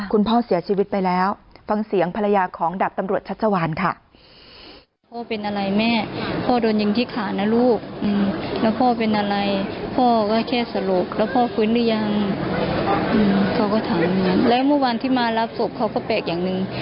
คุณพ่อเสียชีวิตไปแล้วฟังเสียงภรรยาของดาบตำรวจชัชวานค่ะ